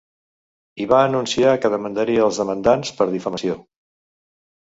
I va anunciar que demandaria els demandants per difamació.